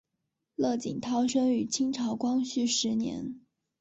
乐景涛生于清朝光绪十年。